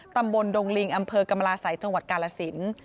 ตำบลดงลิงอำเภอกรรมราศัยจังหวัดกาลสิน